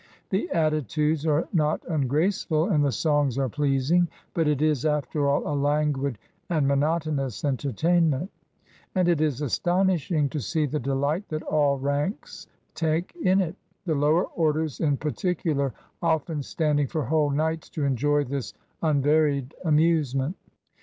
The attitudes are not ungraceful, and the songs are pleasing; but it is, after all, a languid and monotonous entertainment; and it is astonishing to see the delight that all ranks take in it; the lower orders, in particular, often standing for whole nights to enjoy this unvaried amusement.